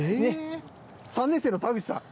３年生の田口さん。